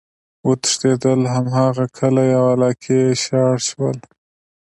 وتښتيدل!! هماغه کلي او علاقي ئی شاړ شول،